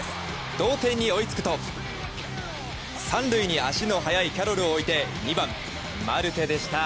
同点に追いつくと３塁に足の速いキャロルを置いて２番、マルテでした。